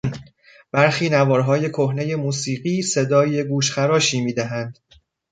برخی نوارهای کهنهی موسیقی صدای گوشخراشی میدهند.